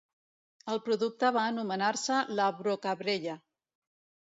El producte va anomenar-se la Brockabrella.